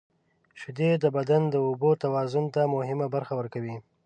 • شیدې د بدن د اوبو توازن ته مهمه برخه ورکوي.